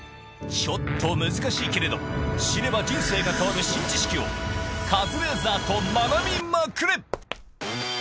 ちょっと難しいけれど知れば人生が変わる新知識をカズレーザーと学びまくれ！